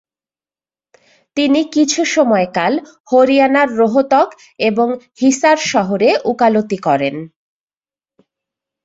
তিনি কিছুসময়কাল হরিয়াণার রোহতক এবং হিসার শহরে উকালতি করেন।